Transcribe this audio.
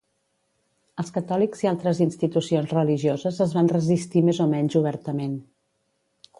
Els catòlics i altres institucions religioses es van resistir més o menys obertament.